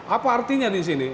apa artinya di sini